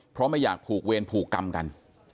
เพราะไม่อยากผูกเวรผูกกรรมกัน